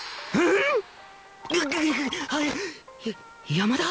山田！？